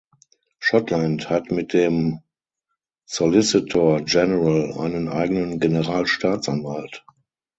Schottland hat mit dem Solicitor General einen eigenen Generalstaatsanwalt.